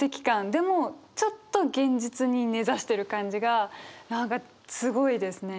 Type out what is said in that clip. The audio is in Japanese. でもちょっと現実に根ざしてる感じが何かすごいですね。